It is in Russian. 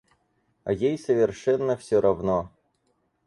А ей совершенно всё равно.